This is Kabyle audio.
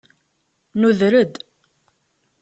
Nuder-d.